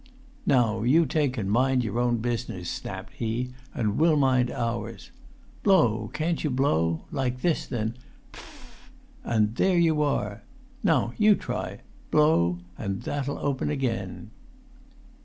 [Pg 251]"Now you take and mind your own business," snapped he, "and we'll mind ours ... Blow—can't you blow? Like this, then—p f f f—and there you are! Now you try; blow, and that'll open again."